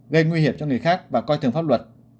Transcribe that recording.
gây nguy hiểm cho người khác và coi thường pháp luật